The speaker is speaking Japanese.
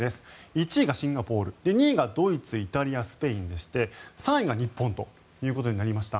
１位がシンガポール２位がドイツイタリア、スペインでして３位が日本ということになりました。